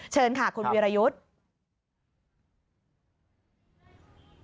เชิญค่ะคุณวีรยุทธ์